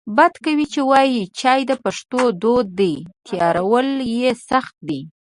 بد کوي چې وایې چای د پښتنو دود دی تیارول یې سخت دی